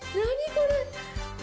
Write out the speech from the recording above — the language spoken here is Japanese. これ。